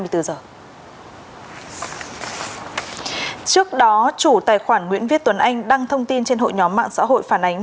trước đó chủ tài khoản nguyễn viết tuấn anh đăng thông tin trên hội nhóm mạng xã hội phản ánh